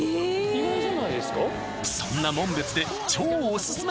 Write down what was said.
意外じゃないですか？